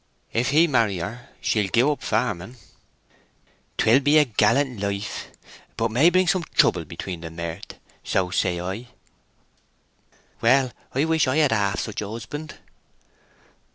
"If he marry her, she'll gie up farming." "'Twill be a gallant life, but may bring some trouble between the mirth—so say I." "Well, I wish I had half such a husband."